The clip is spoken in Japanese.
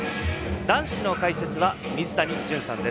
男子の解説は水谷隼さんです。